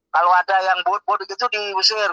kalau ada yang bodoh bodoh gitu diusir